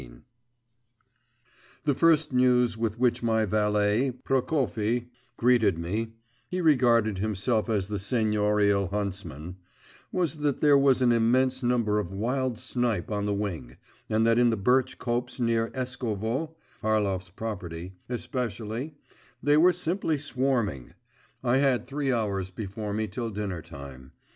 XVI The first news with which my valet, Prokofy, greeted me (he regarded himself as the seignorial huntsman) was that there was an immense number of wild snipe on the wing, and that in the birch copse near Eskovo (Harlov's property), especially, they were simply swarming. I had three hours before me till dinner time.